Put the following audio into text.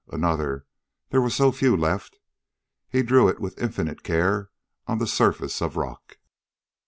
Another there were so few left. He drew it with infinite care on the surface of rock.